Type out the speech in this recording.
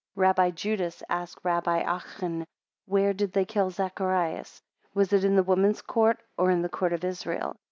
Rabbi Judas asked Rabbi Achan, Where did they kill Zacharias? Was it in the woman's court, or in the court of Israel?